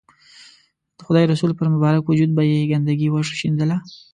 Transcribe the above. د خدای رسول پر مبارک وجود به یې ګندګي ورشیندله.